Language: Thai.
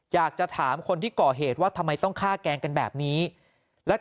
อยากจะถามคนที่ก่อเหตุว่าทำไมต้องฆ่าแกล้งกันแบบนี้และ